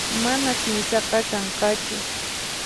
Manas misaqa kanqachu